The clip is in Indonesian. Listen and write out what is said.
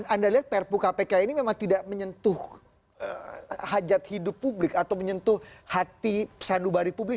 anda lihat perpu kpk ini memang tidak menyentuh hajat hidup publik atau menyentuh hati sandubari publik